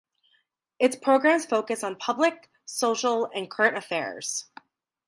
Its programs focus on public, social and current affairs.